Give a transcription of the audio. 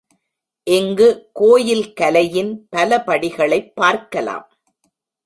இங்கு கோயில் கலையின் பலபடிகளைப் பார்க்கலாம்.